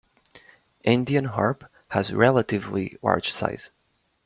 Andean harp has relatively large size.